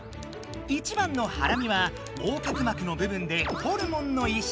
１番の「ハラミ」は横隔膜の部分でホルモンの一種。